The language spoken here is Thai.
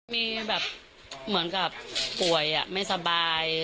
มีแบบเหมือนกับป่วยไม่สบาย